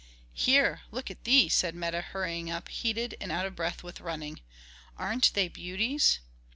"Here, look at these!" said Meta hurrying up, heated and out of breath with running, "Aren't they beauties?"